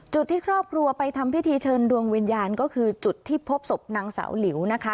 ที่ครอบครัวไปทำพิธีเชิญดวงวิญญาณก็คือจุดที่พบศพนางสาวหลิวนะคะ